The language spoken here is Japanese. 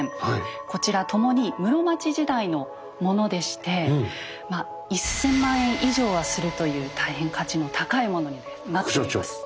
こちらともに室町時代のものでしてまあ１千万円以上はするという大変価値の高いものになっております。